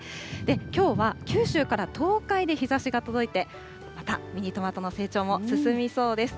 きょうは九州から東海で日ざしが届いて、またミニトマトの成長も進みそうです。